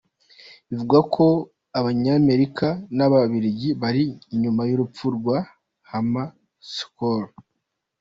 Bivugwa ko Abanyamerika n’Ababiligi bari inyuma y’urupfu rwa Hammarskjöld.